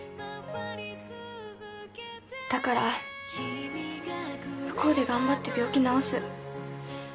だから向こうで頑張って病気治す。